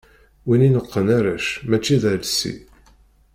Win ineqqen arrac mačči d alsi.